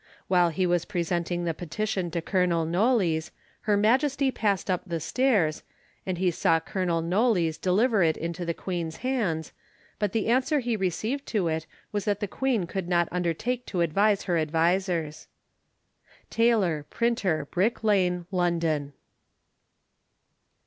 While he was presenting the petition to Colonel Knollys her Majesty passed up the stairs, and he saw Colonel Knollys deliver it into the Queen's hands, but the answer he received to it was that the Queen could not undertake to advise her advisers. Taylor, Printer, Brick Lane, London.